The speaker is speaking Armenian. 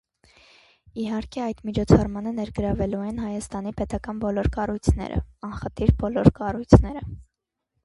Իհարկե, այդ միջոցառմանը ներգրավվելու են Հայաստանի պետական բոլոր կառույցները՝ անխտիր բոլոր կառույցները։